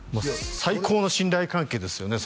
最高の信頼関係ですよね